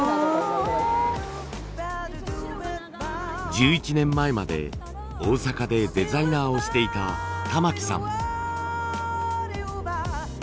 １１年前まで大阪でデザイナーをしていた玉木さん。